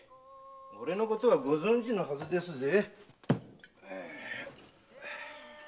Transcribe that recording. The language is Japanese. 俺のことはご存じのはずですぜ。